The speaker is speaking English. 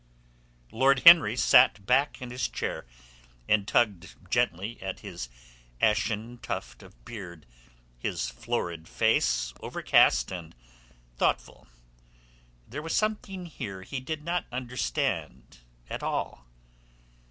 Lord Henry sat back in his chair, and tugged gently at his ashen tuft of beard, his florid face overcast and thoughtful. There was something here he did not understand at all.